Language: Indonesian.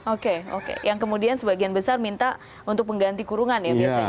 oke oke yang kemudian sebagian besar minta untuk mengganti kurungan ya biasanya